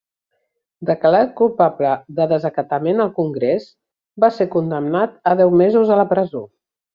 Declarat culpable de desacatament al Congrés, va ser condemnat a deu mesos a la presó.